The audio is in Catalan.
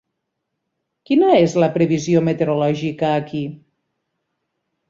Quina és la previsió meteorològica aquí?